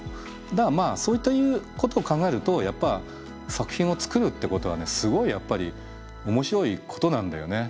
だからまあそういうことを考えるとやっぱ作品を作るってことはねすごいやっぱり面白いことなんだよね。